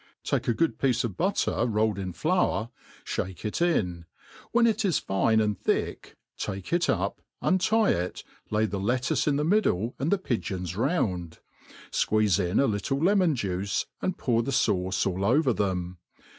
Take a good piece of butter rolled in flour, (bake it in : when it is fine and thick rake it up, untie it, lay the lettuce in the middle, and the pigeons round ; fqueeze in a little lemon juice, and pour the fauce all over them.